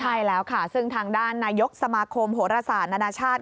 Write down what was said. ใช่แล้วค่ะซึ่งทางด้านนายกสมาคมโหรศาสตร์นานาชาติ